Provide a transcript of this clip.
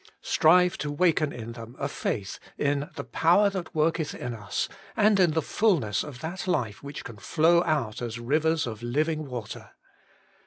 Strive to waken in them a faith in ' the power that worketh in us,' and in the fulness of that life which can flow out as rivers of living water.